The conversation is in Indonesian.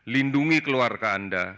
lindungi keluarga anda